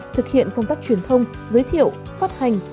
thực hiện công tác truyền thông giới thiệu phát hành